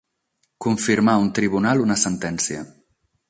Confirmar un tribunal una sentència.